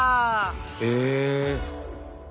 へえ！